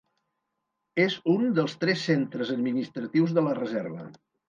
És un dels tres centres administratius de la reserva.